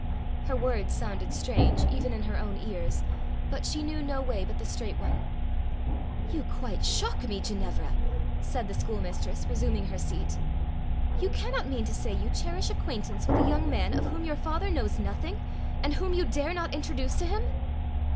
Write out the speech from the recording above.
Her words sounded strange even in her own ears, but she knew no way but the straight one. "You quite shock me, Ginevra!" said the school mistress, resuming her seat: "you cannot mean to say you cherish acquaintance with a young man of whom your father knows nothing, and whom you dare not introduce to him?"